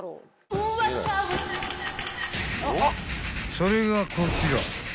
［それがこちら］